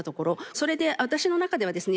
それで私の中ではですね